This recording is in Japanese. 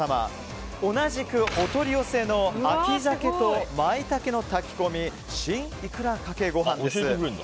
同じくお取り寄せの秋鮭と舞茸の炊き込み新いくら掛けごはんです。